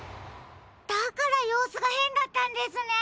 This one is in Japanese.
だからようすがへんだったんですね！